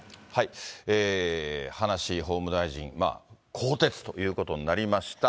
葉梨法務大臣、更迭ということになりました。